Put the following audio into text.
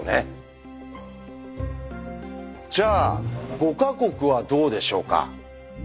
じゃあ５か国はどうでしょうか？